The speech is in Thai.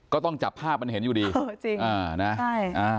ก็ต้องจับภาพมันเห็นอยู่ดีเออจริงอ่านะใช่อ่า